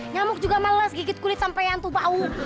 nyamuk juga males gigit kulit sampe yang tuh bau